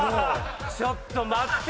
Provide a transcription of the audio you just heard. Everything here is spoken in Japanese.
ちょっと待って。